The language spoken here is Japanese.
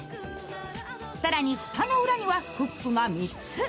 更に蓋の裏にはフックが３つ。